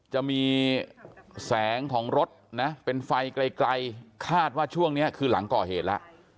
จะมีแสงของรถนะเป็นไฟไกลคาดว่าช่วงนี้คือหลังก่อเหตุแล้ว